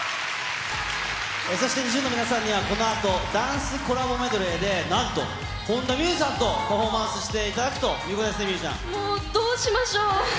そしてＮｉｚｉＵの皆さんには、このあとダンスコラボメドレーで、なんと、本田望結さんとパフォーマンスしていただくということですね、もうどうしましょう。